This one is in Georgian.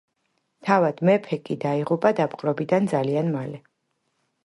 თავად მეფე კი დაიღუპა დაპყრობიდან ძალიან მალე.